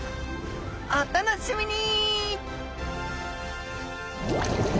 お楽しみに！